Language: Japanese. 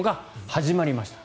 始まりました。